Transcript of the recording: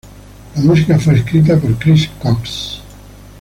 La música fue escrita por Chris Cox.